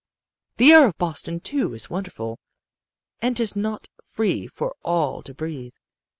"The air of Boston, too, is wonderful and 'tis not free for all to breathe.